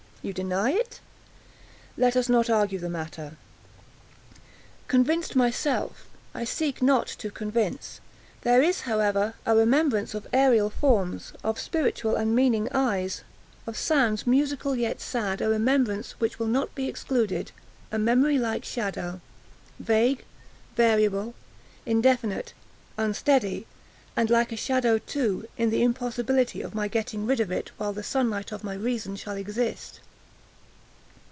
You deny it?—let us not argue the matter. Convinced myself, I seek not to convince. There is, however, a remembrance of aerial forms—of spiritual and meaning eyes—of sounds, musical yet sad—a remembrance which will not be excluded; a memory like a shadow—vague, variable, indefinite, unsteady; and like a shadow, too, in the impossibility of my getting rid of it while the sunlight of my reason shall exist.